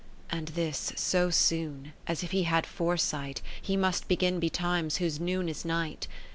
And this so soon, as if he had foresight, He must begin betimes whose noon is night.